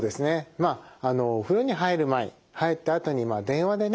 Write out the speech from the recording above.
まあお風呂に入る前入ったあとに電話でね